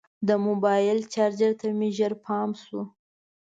د موبایل چارجر ته مې ژر پام شو.